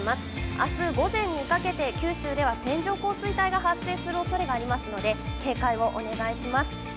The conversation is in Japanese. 明日午前にかけて九州では線状降水帯が発生するおそれがありますので警戒をお願いします